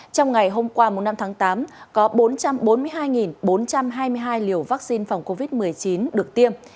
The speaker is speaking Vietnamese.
trong ngày hôm qua năm tháng tám có bốn trăm bốn mươi hai bốn trăm hai mươi hai liều vaccine phòng covid một mươi chín được tiêm